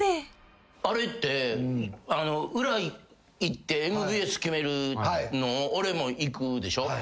あれって裏行ってＭＶＳ決めるの俺も行くでしょ。